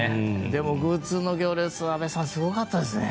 でもグッズの行列は安部さん、すごかったですね。